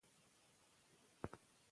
دوی په خپله مورنۍ ژبه زده کړه کوي.